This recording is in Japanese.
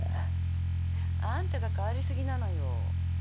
「あんたが変わりすぎなのよ」。